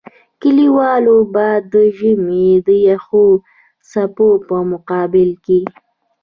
کلیوالو به د ژمي د يخو څپو په مقابل کې.